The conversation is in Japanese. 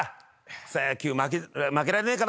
草野球負けられねえからな。